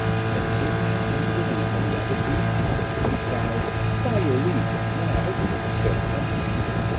Then taking him into the room where the other two are, he cries, By your leave, gentlemen, I hope we don't disturb the company.